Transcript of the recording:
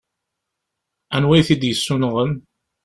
Anwa i t-id-yessunɣen?